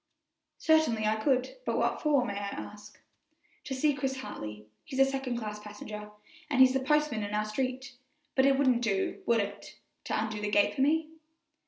"Certainly I could; but what for, may I ask?" "To see Chris Hartley; he's a second class passenger, and he's the postman in our street; but it wouldn't do, would it, to undo the gate for me?"